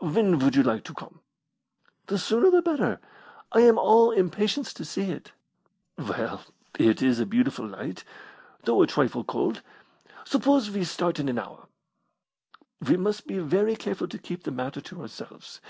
"When would you like to come?" "The sooner the better. I am all impatience to see it." "Well, it is a beautiful night though a trifle cold. Suppose we start in an hour. We must be very careful to keep the matter to ourselves.